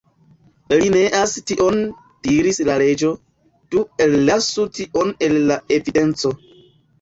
"Li neas 'tion'" diris la Reĝo, "do ellasu 'tion' el la evidenco."